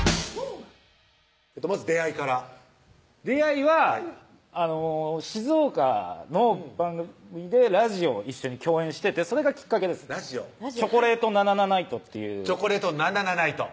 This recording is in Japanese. まず出会いから出会いは静岡の番組でラジオを一緒に共演しててそれがきっかけですチョコレートナナナナイト！っていうナナナナイト！